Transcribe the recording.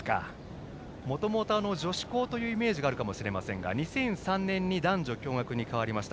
もともと女子校のイメージがあるかもしれませんが２００３年に男女共学に変わりました。